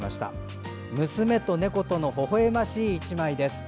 娘と猫とのほほえましい１枚です。